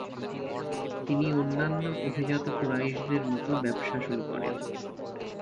তিনি অন্যান্য অভিজাত কুরাইশদের মতো ব্যবসায় শুরু করেন।